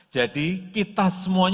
jadi kita semuanya